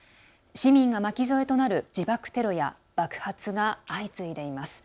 市民が巻き添えとなる自爆テロや爆発が相次いでいます。